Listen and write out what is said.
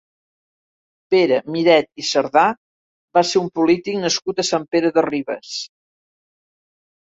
Pere Miret i Cerdà va ser un polític nascut a Sant Pere de Ribes.